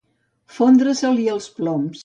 Fondre-se-li els ploms.